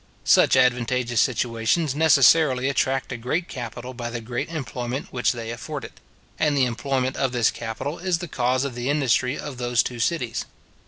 Such advantageous situations necessarily attract a great capital by the great employment which they afford it; and the employment of this capital is the cause of the industry of those two cities.